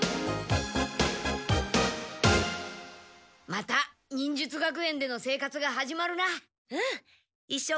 また忍術学園での生活が始まるな。